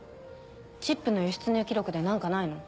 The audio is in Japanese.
チップの輸出入記録で何かないの？